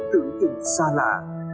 tưởng tình xa lạ